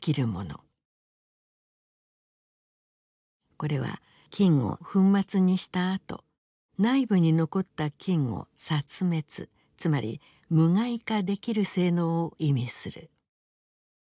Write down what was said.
これは菌を粉末にしたあと内部に残った菌を殺滅つまり無害化できる性能を意味する。